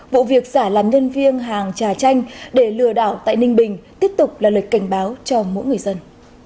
vụ việc giả làm nhân viên hàng trà chanh để lừa đảo tại ninh bình tiếp tục là lời cảnh báo cho mỗi người dân